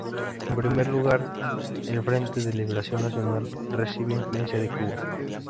En primer lugar, el Frente de Liberación Nacional recibe influencia de Cuba.